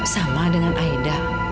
sama dengan aida